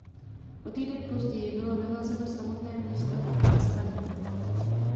O týden později bylo vyhlazeno samotné město Haskanita.